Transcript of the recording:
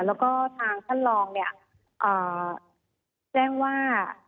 แล้วก็ทางท่านรองแจ้งว่า